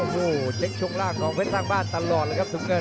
ทุกท่านบ้านตลอดเลยครับถึงเงิน